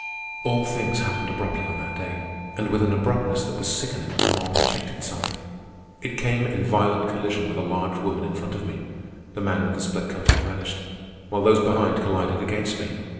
All things happened abruptly on that day, and with an abruptness that was sickening the mob checked itself. I came in violent collision with a large woman in front of me (the man with the split coat had vanished), while those behind collided against me.